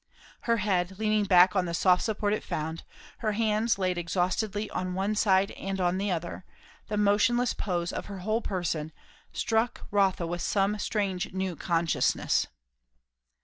Her head, leaning back on the soft support it found, her hands laid exhaustedly on one side and on the other, the motionless pose of her whole person, struck Rotha with some strange new consciousness.